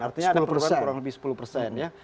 artinya ada perubahan kurang lebih sepuluh persen ya